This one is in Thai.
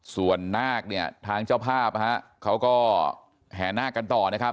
ส่วนนาคเนี่ยทางเจ้าภาพเขาก็แห่นาคกันต่อนะครับ